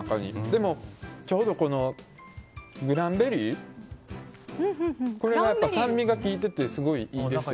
でもちょうどクランベリーこれが酸味が効いててすごいいいです。